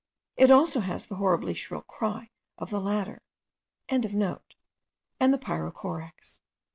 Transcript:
It also has the horribly shrill cry of the latter.) and the pyrrhocorax.